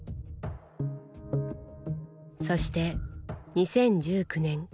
そして２０１９年。